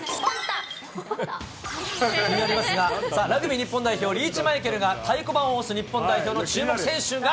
気になりますが、ラグビー日本代表、リーチマイケルが太鼓判を押す日本代表の注目選手が。